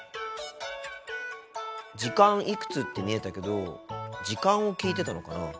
「時間いくつ」って見えたけど時間を聞いてたのかな？